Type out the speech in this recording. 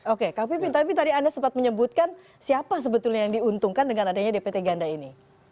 oke kak pipin tapi tadi anda sempat menyebutkan siapa sebetulnya yang diuntungkan dengan adanya dpt ganda ini